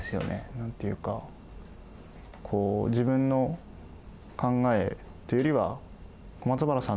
何て言うかこう自分の考えというよりは小松原さん